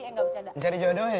mencari jodoh ya